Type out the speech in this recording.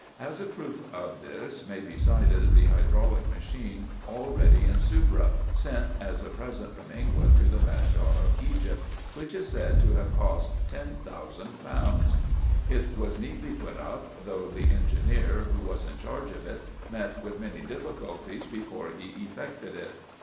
As a proof of this may be cited the hydraulic machine already in Soubra, sent as a present from England to the Bashaw of Egypt, which is said to have cost ten thousand pounds. It was neatly put up, though the en gineer, who was in charge of it, met with many difficulties before he effected it.